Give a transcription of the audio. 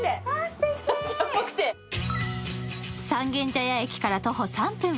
三軒茶屋駅から徒歩３分。